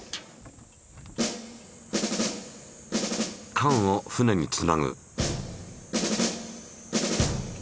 かんを船につなぐ。